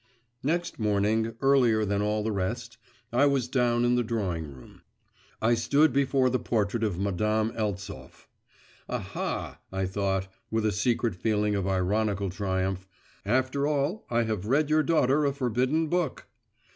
… Next morning, earlier than all the rest, I was down in the drawing room. I stood before the portrait of Madame Eltsov. 'Aha,' I thought, with a secret feeling of ironical triumph, 'after all, I have read your daughter a forbidden book!